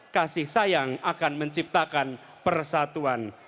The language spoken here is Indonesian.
kasih sayang akan menciptakan persatuan